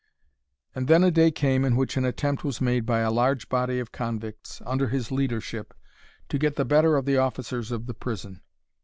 And then a day came in which an attempt was made by a large body of convicts, under his leadership, to get the better of the officers of the prison.